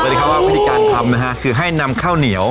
เลยครับว่าวิธีการทำนะฮะคือให้นำข้าวเหนียว